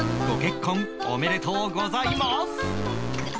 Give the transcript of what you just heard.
ご結婚おめでとうございます！